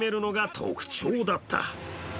特徴だった。